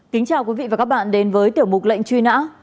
kính chào quý vị và các bạn đến với tiểu mục lệnh truy nã